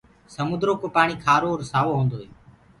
سموندرو ڪو پآڻي کآرو آور سآوو هي